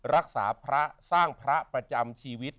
รักษาพระสร้างพระประจำชีวิต